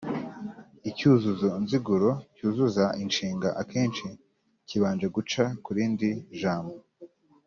icyuzuzo nziguro cyuzuza inshinga akenshi kibanje guca ku rindi jambo